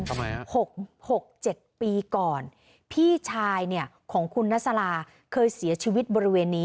ทำไมฮะ๖๖๗ปีก่อนพี่ชายเนี่ยของคุณนัสลาเคยเสียชีวิตบริเวณนี้